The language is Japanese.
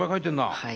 はい。